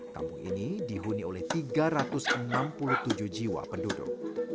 kampung ini dihuni oleh tiga ratus enam puluh tujuh jiwa penduduk